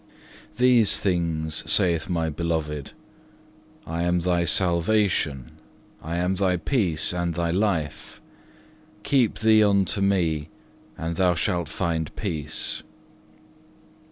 2. These things saith thy Beloved, "I am thy salvation, I am thy peace and thy life. Keep thee unto Me, and thou shalt find peace."